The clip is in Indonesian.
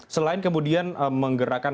selain kemudian menggerakkan